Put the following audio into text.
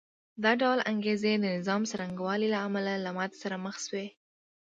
دا ډول انګېزې د نظام څرنګوالي له امله له ماتې سره مخ شوې